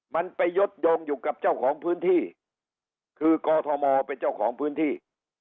มันไปยดโยงอยู่กับเจ้าของพื้นที่คือกอทมเป็นเจ้าของพื้นที่